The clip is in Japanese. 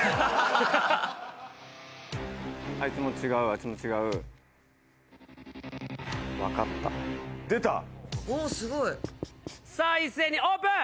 あいつも違うあいつも違う出たおおすごいさあ一斉にオープン！